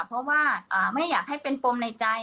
เพราะว่าไม่อยากให้เป็นปมในใจ